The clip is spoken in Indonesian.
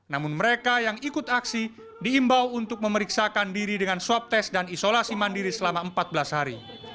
namun mereka yang ikut aksi diimbau untuk memeriksakan diri dengan swab test dan isolasi mandiri selama empat belas hari